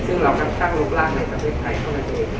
ซึ่งเราก็ทำทั้งลูกราชในประเทศไทยของประเทศ